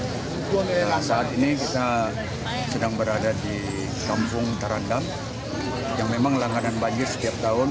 nah saat ini kita sedang berada di kampung tarandam yang memang langganan banjir setiap tahun